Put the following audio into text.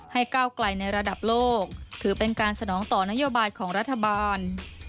ก้าวไกลในระดับโลกถือเป็นการสนองต่อนโยบายของรัฐบาล